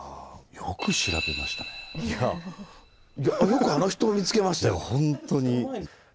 よくあの人を見つけましたよね。